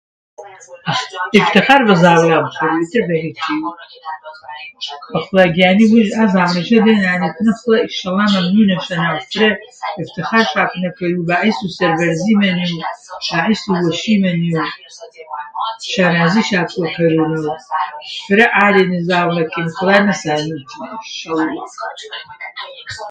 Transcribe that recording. خوذا گیانێ ویش ئا زاڤڵێشە دەینا پێنە خوذا ئیشەلا مەمنوونەشەناو، ئێفتێخارشا پنە کەروو باعێسوو سەربەزیمەنێ و باعێسوو وەشیمەنێ و شانازیشا پوە کەروو و، فرە عالێنێ زاڤڵەکێم خوذا نەسانۆم چنە ئیشەلا